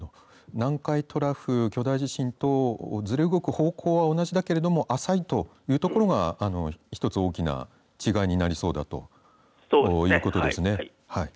南海トラフ巨大地震とずれ動く方向は同じだけれども浅いというところが１つ大きな違いになりそうだということですね。